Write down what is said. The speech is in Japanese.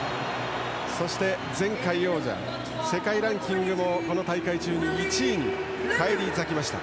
そして、前回王者世界ランキングも、この大会中に１位に返り咲きました。